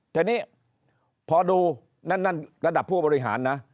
ทีนี้พอดูนั่นระดับผู้บริหารนะ